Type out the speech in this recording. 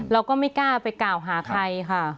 เราก็ไม่กล้าไปกล่าวหาใครค่ะ